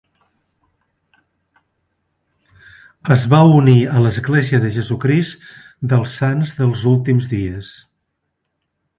Es va unir a l'Església de Jesucrist dels Sants dels Últims Dies.